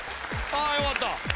あよかった。